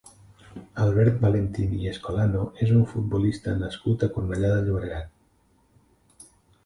Albert Valentín i Escolano és un futbolista nascut a Cornellà de Llobregat.